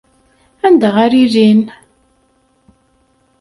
Anda ara ilin?